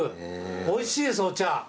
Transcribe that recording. おいしいですお茶。